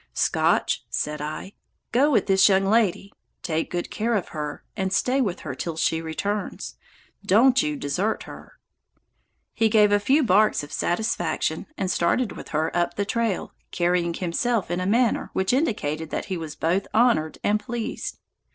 "Scotch," said I, "go with this young lady, take good care of her, and stay with her till she returns. Don't you desert her." He gave a few barks of satisfaction and started with her up the trail, carrying himself in a manner which indicated that he was both honored and pleased.